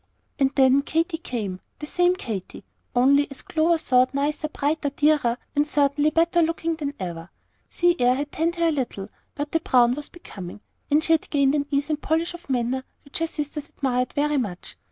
And then Katy came, the same Katy, only, as Clover thought, nicer, brighter, dearer, and certainly better looking than ever. Sea air had tanned her a little, but the brown was becoming; and she had gained an ease and polish of manner which her sisters admired very much.